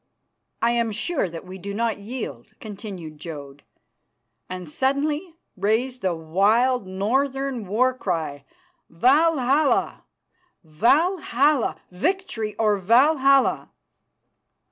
"I am sure that we do not yield," continued Jodd, and suddenly raised the wild northern war cry, "_Valhalla, Valhalla! Victory or Valhalla!